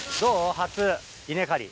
初稲刈り。